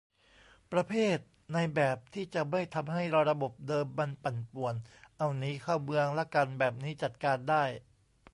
ประเภทในแบบที่จะไม่ทำให้ระบบเดิมมันปั่นป่วน เอ้า หนีเข้าเมือง ละกัน แบบนี้จัดการได้